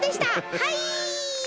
はい！